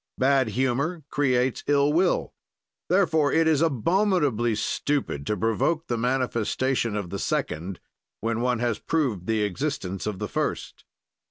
Bad humor creates ill will; therefore it is abominably stupid to provoke the manifestation of the second when one has proved the existence of the first.